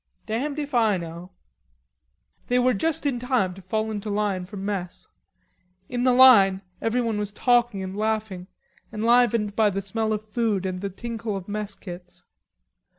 "Damned if I know." They were just in time to fall into line for mess. In the line everyone was talking and laughing, enlivened by the smell of food and the tinkle of mess kits.